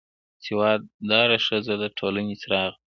سواد داره ښځه د ټولنې څراغ ده